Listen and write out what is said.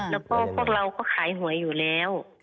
แล้วก็พวกเราก็ขายหวยอยู่แล้ว